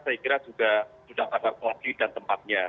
saya kira sudah sampai kondisi dan tempatnya